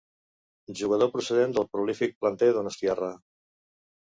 Jugador procedent del prolífic planter donostiarra.